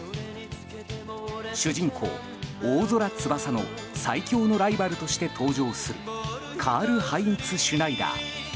主人公・大空翼の最強のライバルとして登場するカール・ハインツ・シュナイダー。